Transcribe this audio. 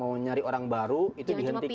mau nyari orang baru itu dihentikan